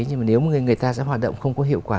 nhưng mà nếu người ta sẽ hoạt động không có hiệu quả